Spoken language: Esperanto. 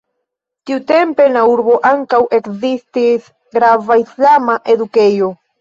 Tiutempe en la urbo ankaŭ ekzistis grava islama edukejo.